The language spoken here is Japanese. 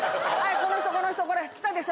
この人この人これ来たでしょ